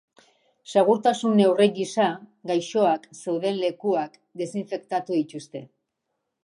Segurtasun neurri gisa, gaixoak zeuden lekuak desinfektatu dituzte.